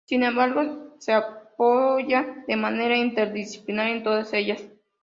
Sin embargo, se apoya de manera interdisciplinar en todas ellas.